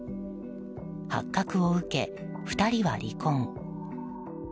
発覚を受け、２人は離婚。